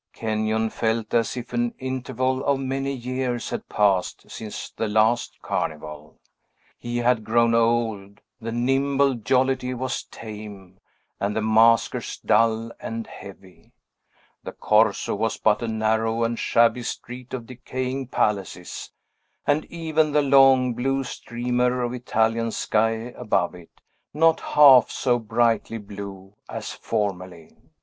Kenyon felt as if an interval of many years had passed since the last Carnival. He had grown old, the nimble jollity was tame, and the maskers dull and heavy; the Corso was but a narrow and shabby street of decaying palaces; and even the long, blue streamer of Italian sky, above it, not half so brightly blue as formerly.